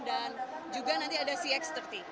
dan juga nanti ada cx tiga puluh